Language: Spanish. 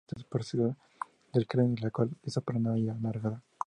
Este consiste de la parte posterior del cráneo, la cual es aplanada y alargada.